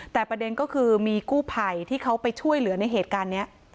แต่ประเด็นก็คือมีกู้ภัยที่เขาไปช่วยเหลือในเหตุการณ์นี้